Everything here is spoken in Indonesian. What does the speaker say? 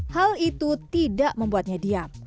hal itu tidak membuatnya diam